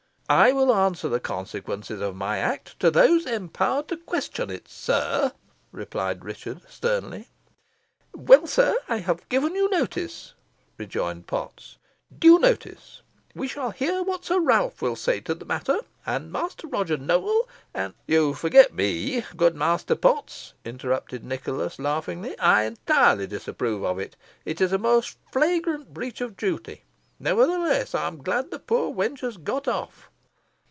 "I will answer the consequences of my act to those empowered to question it, sir," replied Richard, sternly. "Well, sir, I have given you notice," rejoined Potts, "due notice. We shall hear what Sir Ralph will say to the matter, and Master Roger Nowell, and " "You forget me, good Master Potts," interrupted Nicholas, laughingly; "I entirely disapprove of it. It is a most flagrant breach of duty. Nevertheless, I am glad the poor wench has got off."